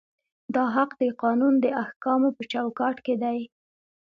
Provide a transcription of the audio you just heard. دا حق د قانون د احکامو په چوکاټ کې دی.